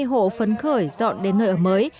để hội dân khởi dọn đến nơi ở mới